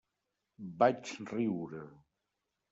Vaig riure.